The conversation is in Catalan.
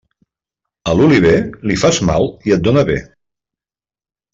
A l'oliver, li fas mal i et dóna bé.